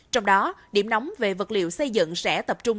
trong đó điểm nóng về vật liệu xây dựng sẽ tập trung